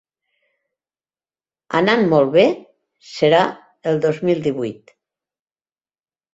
Anant molt bé, serà el dos mil divuit.